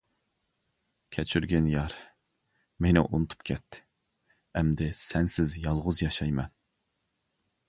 كەچۈرگىن يار، مېنى ئۇنتۇپ كەت، ئەمدى سەنسىز يالغۇز ياشايمەن.